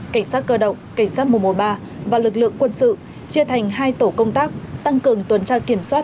cảnh sát cơ động cảnh sát mùa mùa ba và lực lượng quân sự chia thành hai tổ công tác tăng cường tuần tra kiểm soát